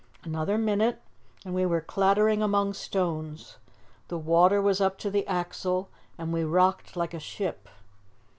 Another minute and we were clattering among stones; the water was up to the axle and we rocked like a ship.